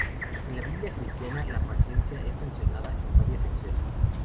En la Biblia cristiana, la paciencia es mencionada en varias secciones.